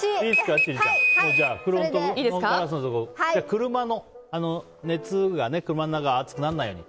車の熱が車の中暑くならないように。